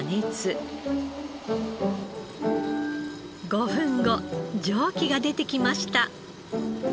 ５分後蒸気が出てきました。